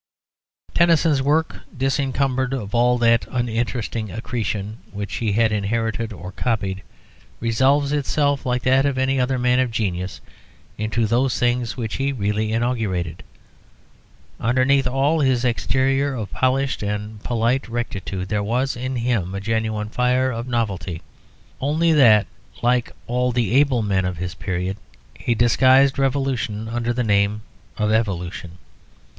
Tennyson's work, disencumbered of all that uninteresting accretion which he had inherited or copied, resolves itself, like that of any other man of genius, into those things which he really inaugurated. Underneath all his exterior of polished and polite rectitude there was in him a genuine fire of novelty; only that, like all the able men of his period, he disguised revolution under the name of evolution.